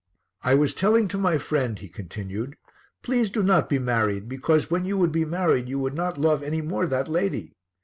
"I was telling to my friend," he continued, "'Please do not be married, because when you would be married you would not love any more that lady.'